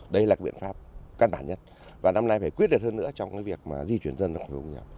đây là biện pháp căn bản nhất và năm nay phải quyết định hơn nữa trong cái việc mà di chuyển dân ra khỏi vùng đó